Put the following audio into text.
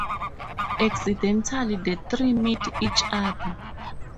Accidentally, the three meet each other.